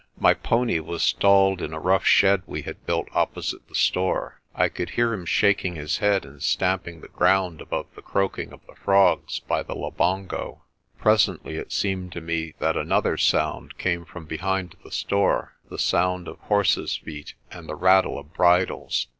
My pony was stalled in a rough shed we had built op posite the store. I could hear him shaking his head and stamping the ground above the croaking of the frogs by the Labongo. Presently it seemed to me that another sound came from behind the store the sound of horses' feet and the rattle of bridles.